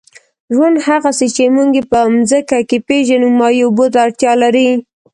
ژوند، هغسې چې موږ یې په مځکه کې پېژنو، مایع اوبو ته اړتیا لري.